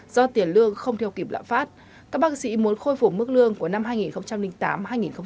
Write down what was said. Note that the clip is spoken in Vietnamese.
do tiền lương không theo kịp lạm phát các bác sĩ muốn khôi phủ mức lương của năm hai nghìn tám hai nghìn chín